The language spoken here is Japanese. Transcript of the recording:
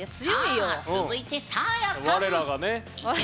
続いてサーヤさん。